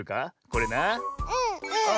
これな。